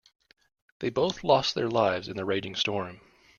Both lost their lives in the raging storm.